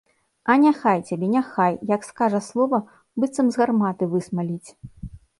А няхай цябе, няхай, як скажа слова, быццам з гарматы высмаліць.